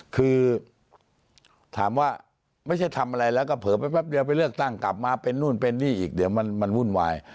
คือถามว่าไม่ใช่ทำอะไรแล้วก็เผลอไปแป๊บเดียวไปเลือกตั้งกลับมาเป็นนู่นเป็นนี่อีกเดี๋ยวมันวุ่นวาย